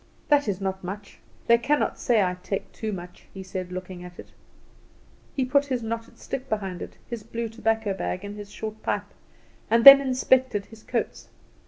"That is not much; they cannot say I take much," he said, looking at it. He put his knotted stick beside it, his blue tobacco bag and his short pipe, and then inspected his coats.